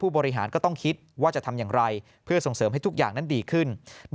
ผู้บริหารก็ต้องคิดว่าเราจะทำอย่างไรเพื่อสร้างเสริมให้ดีขึ้น